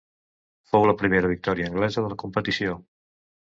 Fou la primera victòria anglesa de la competició.